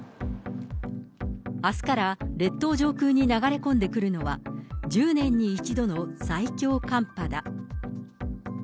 あすから列島上空に流れ込んでくるのは、１０年に一度の最強寒波だ。